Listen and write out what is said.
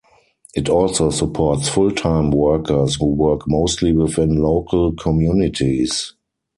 It also supports full-time workers who work mostly within local communities.